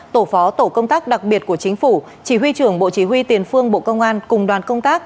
tổ phó tổ công tác đặc biệt của chính phủ chỉ huy trưởng bộ chỉ huy tiền phương bộ công an cùng đoàn công tác